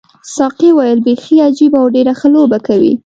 ساقي وویل بیخي عجیبه او ډېره ښه لوبه کوي.